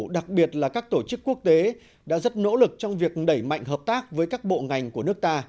đặc biệt là các tổ chức quốc tế đã rất nỗ lực trong việc đẩy mạnh hợp tác với các bộ ngành của nước ta